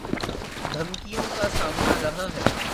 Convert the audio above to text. دھمکیوں کا سامنا رہا ہے